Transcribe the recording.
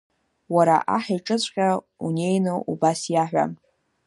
Уара аҳ иҿыҵәҟьа унеины убыс иаҳәа…